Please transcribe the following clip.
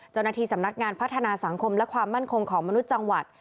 เจ้าหน้าที่สำนักงานพัฒนาสังคมและความมั่นคงของมนุษย์จังหวัด